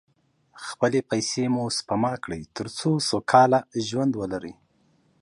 خپلې پیسې مو سپما کړئ، تر څو سوکاله ژوند ولرئ.